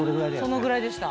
そのぐらいでした。